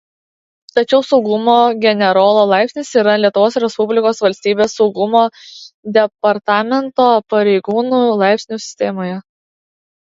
Tačiau "saugumo generolo" laipsnis yra Lietuvos respublikos valstybės saugumo departamento pareigūnų laipsnių sistemoje.